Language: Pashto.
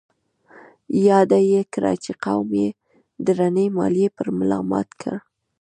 ياده يې کړه چې قوم يې درنې ماليې پر ملا مات کړ.